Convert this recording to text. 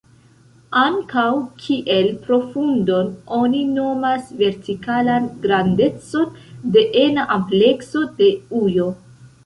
Ankaŭ kiel profundon oni nomas vertikalan grandecon de ena amplekso de ujo.